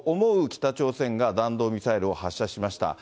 北朝鮮が弾道ミサイルを発射しました。